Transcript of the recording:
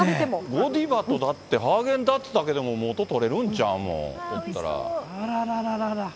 ゴディバとだって、ハーゲンダッツだけで元取れるんじゃない、おったら。